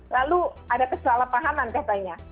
lalu ada kesalahpahaman katanya